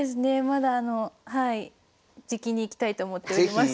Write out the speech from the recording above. まだあのはいじきに行きたいと思っております。